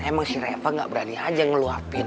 emang si reva gak berani aja ngeluapin